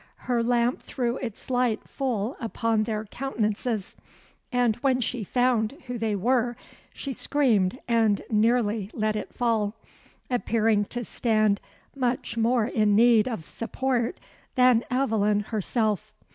Her lamp threw its light full upon their countenances; and when she found who they were, she screamed and nearly let it fall, appearing to stand much more in need of support than Aveline herself.